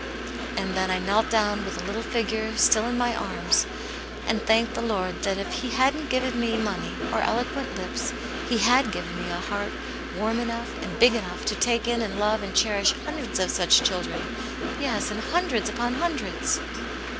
" And then I knelt down with the little figure still in my arms, and thanked the Lord that if he hadn't given me money, or eloquent lips, He had given me a heart warm enough and big enough to take in and love and cherish hundreds of such children, yes, and hundreds upon hundreds."